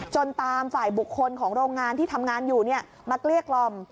ตามฝ่ายบุคคลของโรงงานที่ทำงานอยู่มาเกลี้ยกล่อม